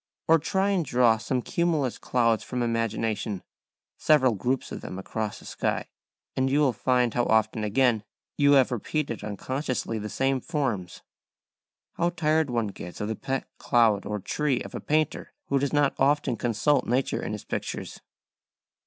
Or try and draw some cumulus clouds from imagination, several groups of them across a sky, and you will find how often again you have repeated unconsciously the same forms. How tired one gets of the pet cloud or tree of a painter who does not often consult nature in his pictures.